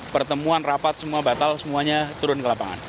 pertemuan rapat semua batal semuanya turun ke lapangan